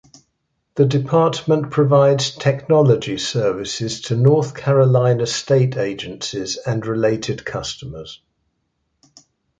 The department provides technology services to North Carolina state agencies and related customers.